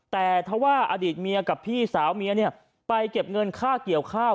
แต่ถ้าว่าอดีตเมียกับพี่สาวเมียไปเก็บเงินค่าเกี่ยวข้าว